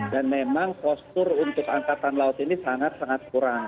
memang postur untuk angkatan laut ini sangat sangat kurang